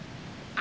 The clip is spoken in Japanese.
あ。